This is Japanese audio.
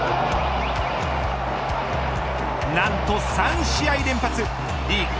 なんと３試合連発リーグ